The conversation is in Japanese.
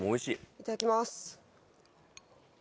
いただきます。